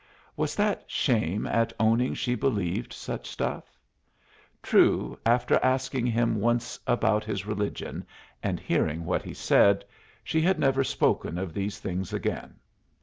Was that shame at owning she believed such stuff? True, after asking him once about his religion and hearing what he said, she had never spoken of these things again.